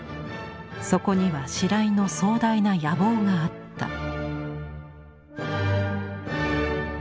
そこには白井の壮大な野望があった。